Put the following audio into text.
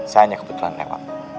saya hanya kebetulan lewat